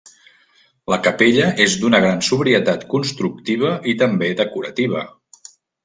La capella és d'una gran sobrietat constructiva i també decorativa.